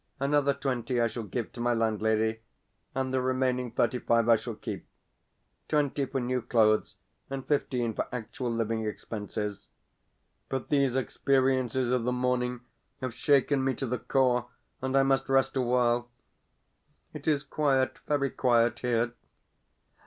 Another twenty I shall give to my landlady, and the remaining thirty five I shall keep twenty for new clothes and fifteen for actual living expenses. But these experiences of the morning have shaken me to the core, and I must rest awhile. It is quiet, very quiet, here.